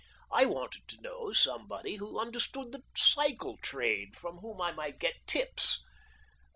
I wanted to know somebody who understood the cycle trade, from whom I might get tips.